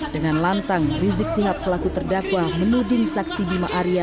dengan lantang rizik sihab selaku terdakwa menuding saksi bima arya